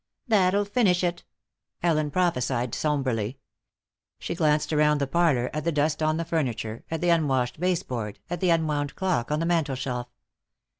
"That'll finish it," Ellen prophesied, somberly. She glanced around the parlor, at the dust on the furniture, at the unwashed baseboard, at the unwound clock on the mantel shelf.